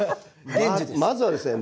まずはですね